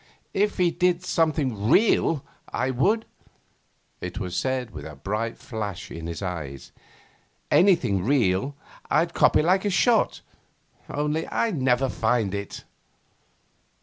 'If he did something real, I would.' It was said with a bright flash in the eyes. 'Anything real I'd copy like a shot. Only, I never find it.